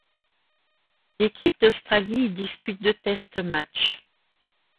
L'Équipe d'Australie y dispute deux test-matchs.